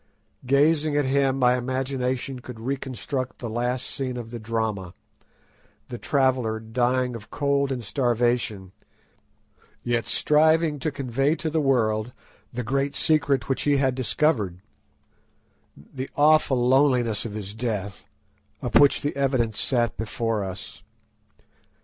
Gazing at him, my imagination could reconstruct the last scene of the drama, the traveller dying of cold and starvation, yet striving to convey to the world the great secret which he had discovered:—the awful loneliness of his death, of which the evidence sat before us.